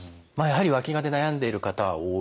やはりわきがで悩んでいる方は多い。